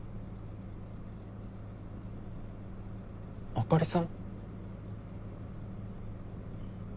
あかりさん？